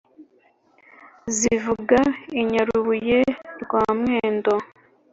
zivuga i nyarubuye rwa mwendo